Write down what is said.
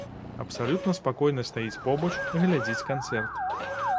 Абсалютна спакойна стаіць побач, глядзіць канцэрт.